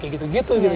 kayak gitu gitu gitu